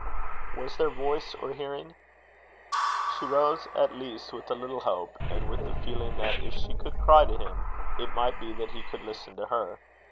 Was there voice or hearing? She rose at least with a little hope, and with the feeling that if she could cry to him, it might be that he could listen to her.